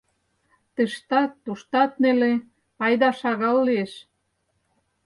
Тыштат-туштат неле, пайда шагал лиеш.